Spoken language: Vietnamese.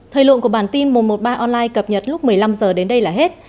thời lượng của bản tin một trăm một mươi ba online cập nhật lúc một mươi năm h đến đây là hết